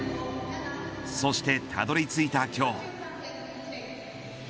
そして、たどり着いた今日。